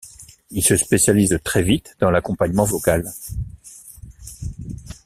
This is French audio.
Il se spécialise très vite dans l'accompagnement vocal.